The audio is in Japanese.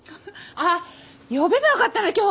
あっ呼べばよかったね今日。